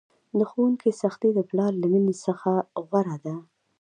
د ښوونکي سختي د پلار له میني څخه غوره ده!